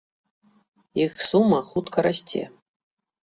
Іх сума хутка расце.